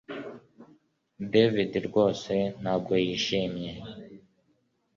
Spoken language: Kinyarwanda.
David rwose ntabwo yishimye